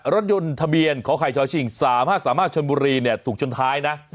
รถยนต์ทะเบียนขอไข่ชชิง๓๕๓๕ชนบุรีถูกชนท้ายนะ